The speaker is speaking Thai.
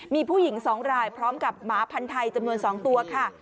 มีผู้หญิง๒รายพร้อมกับหมาพันธ์ไทยจำนวน๒ตัวค่ะ